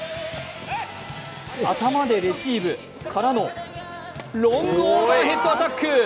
頭でレシーブからのロングオーバーヘッドアタック。